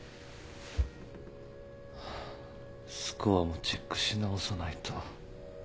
スコアもチェックし直さないと。